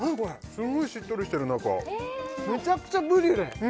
すごいしっとりしてる中めちゃくちゃブリュレ！